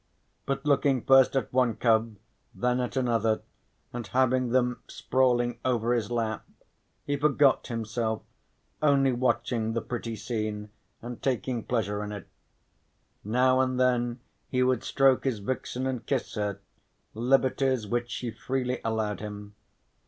But looking first at one cub, then at another, and having them sprawling over his lap, he forgot himself, only watching the pretty scene, and taking pleasure in it. Now and then he would stroke his vixen and kiss her, liberties which she freely allowed him.